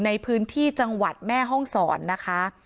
ในพื้นที่จังหวัดแม่ห้องศรนะคะ